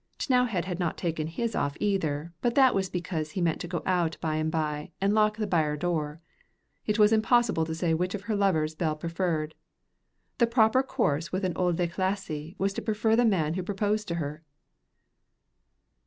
T'nowhead had not taken his off either, but that was because he meant to go out by and by and lock the byre door. It was impossible to say which of her lovers Bell preferred. The proper course with an Auld Licht lassie was to prefer the man who proposed to her.